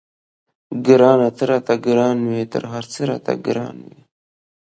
ګرانه ته راته ګران وې تر هر څه راته ګران وې.